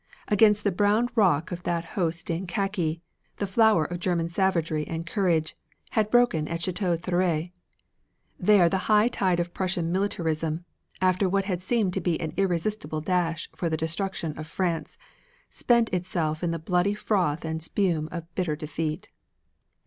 Against the brown rock of that host in khaki, the flower of German savagery and courage had broken at Chateau Thierry. There the high tide of Prussian militarism, after what had seemed to be an irresistible dash for the destruction of France, spent itself in the bloody froth and spume of bitter defeat.